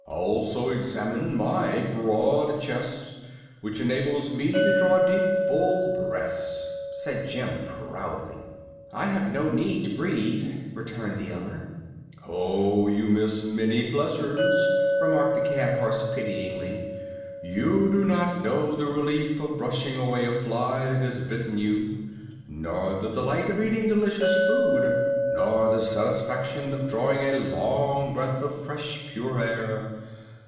"Also examine my broad chest, which enables me to draw deep, full breaths," said Jim, proudly. "I have no need to breathe," returned the other. "No; you miss many pleasures," remarked the cab horse, pityingly. "You do not know the relief of brushing away a fly that has bitten you, nor the delight of eating delicious food, nor the satisfaction of drawing a long breath of fresh, pure air.